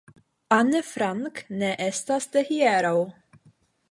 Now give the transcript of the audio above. Anne Frank ne estas de hieraŭ.